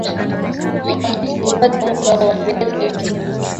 Jinsi ya kupata unga wa viazi lishe